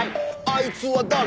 「あいつは誰？